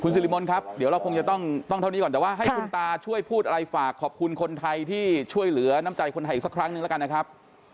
สิริมนต์ครับเดี๋ยวเราคงจะต้องเท่านี้ก่อนแต่ว่าให้คุณตาช่วยพูดอะไรฝากขอบคุณคนไทยที่ช่วยเหลือน้ำใจคนไทยอีกสักครั้งนึงแล้วกันนะครับ